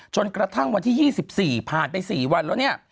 จนกระทั่งวันที่๒๔ผ่านไป๔วันแล้วเนี่ย